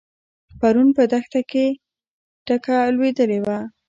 پرون په دښته کې ټکه لوېدلې وه.